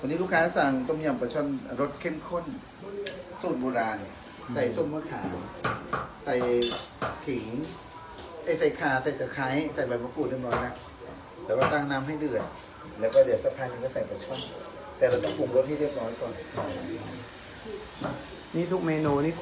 วันนี้ลูกค้าสั่งต้มยำปะช่อนรสเข้มข้นสูตรโบราณใส่ส้มมื้อขาวใส่